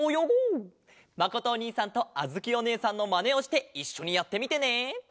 まことおにいさんとあづきおねえさんのまねをしていっしょにやってみてね！